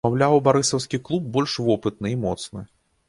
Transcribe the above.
Маўляў, барысаўскі клуб больш вопытны і моцны.